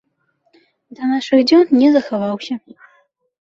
Да нашых дзён не захаваўся.